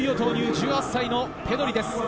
１８歳ペドリです。